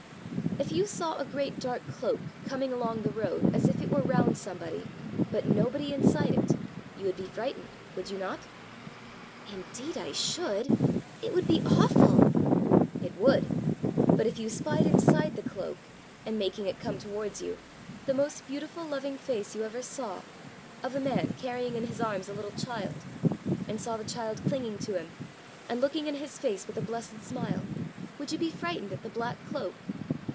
If you saw a great dark cloak coming along the road as if it were round somebody, but nobody inside it, you would be frightened would you not?" "Indeed I should. It would be awful!" "It would. But if you spied inside the cloak, and making it come towards you, the most beautiful loving face you ever saw of a man carrying in his arms a little child and saw the child clinging to him, and looking in his face with a blessed smile, would you be frightened at the black cloak?"